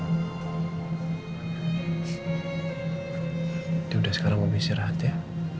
ini udah sekarang mau besi rata ya